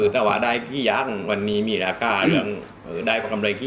ถ้าได้ขี้ยากวันนี้มีลาการ